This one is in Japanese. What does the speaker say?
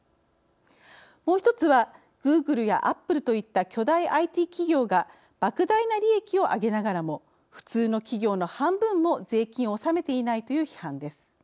もう一つはグーグルやアップルといった巨大ＩＴ企業がばく大な利益をあげながらも普通の企業の半分も税金を納めていないという批判です。